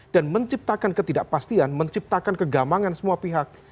dan menciptakan ketidakpastian menciptakan kegamangan semua pihak